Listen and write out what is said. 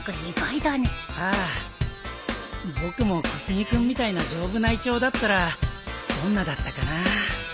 僕も小杉君みたいな丈夫な胃腸だったらどんなだったかなあ。